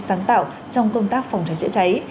sáng tạo trong công tác phòng cháy chữa cháy